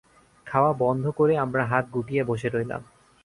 খাওয়া বন্ধ করে আমরা হাত গুটিয়ে বসে রইলাম।